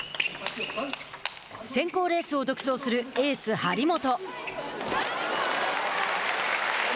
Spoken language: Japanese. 選考レースを独走するエース張本。